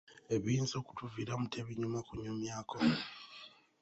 Ebiyinza okutuviiramu tebinyuma kunyumyako!